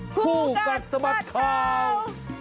ผู้กัดสมัติข่าว